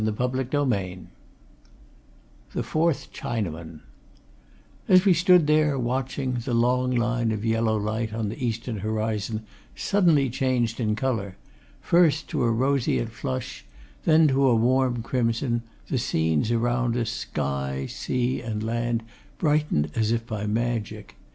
CHAPTER XXIII THE FOURTH CHINAMAN As we stood there, watching, the long line of yellow light on the eastern horizon suddenly changed in colour first to a roseate flush, then to a warm crimson; the scenes around us, sky, sea and land brightened as if by magic.